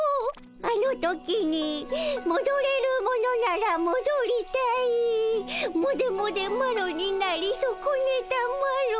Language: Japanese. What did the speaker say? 「あの時にもどれるものならもどりたいモデモデマロになりそこねたマロ」